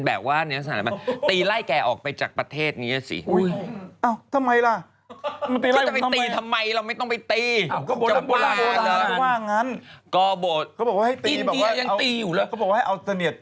ก็บอกว่าแซนี้ออกไปทุวะอะไรอย่างนี้